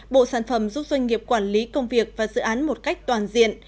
bộ sản phẩm giúp doanh nghiệp quản lý công việc và dự án một cách toàn diện